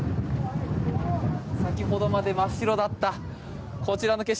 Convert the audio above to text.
先ほどまで真っ白だったこちらの景色